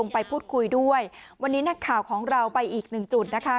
ไปพูดคุยด้วยวันนี้นักข่าวของเราไปอีกหนึ่งจุดนะคะ